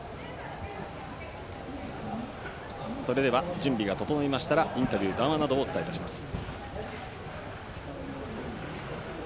準備が整いましたらインタビューと談話をお伝えします。